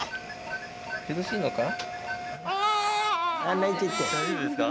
苦しいのか？